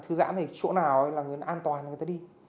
thư giãn này chỗ nào là người an toàn người ta đi